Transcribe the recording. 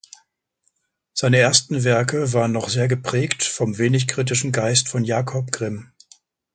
Seine ersten Werke waren noch sehr geprägt vom wenig kritischen Geist von Jacob Grimm.